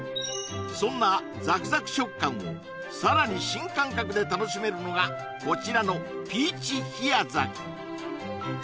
そんなザクザク食感をさらに新感覚で楽しめるのがこちらのピーチヒヤザク